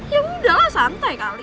ya udah lah santai kali